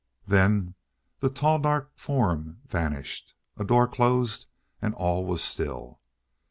Then the tall, dark form vanished, a door closed, and all was still.